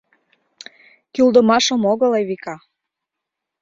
Кӱлдымашым огыл, Эвика.